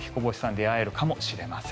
出会えるかもしれません。